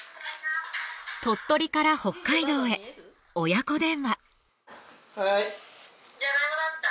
鳥取から北海道へ親子電話。